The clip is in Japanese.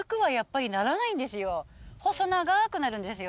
細長くなるんですよ。